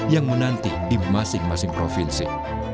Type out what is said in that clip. yang menanti di masing masing provinsi